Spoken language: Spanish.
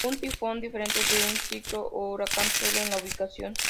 Un tifón difiere de un ciclón o huracán sólo en la ubicación.